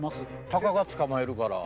タカが捕まえるから。